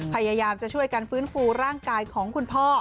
พยายามจะช่วยกันฟื้นฟูร่างกายของคุณพ่อ